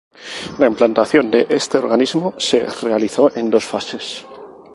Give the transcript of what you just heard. La implantación de este organismo se realizó en dos fases.